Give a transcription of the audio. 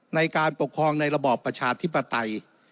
ในการปกครองในระบอบประชาธิปไตย